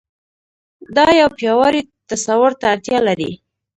دا يو پياوړي تصور ته اړتيا لري.